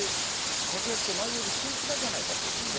確約書、内容に食い違いじゃないかということで。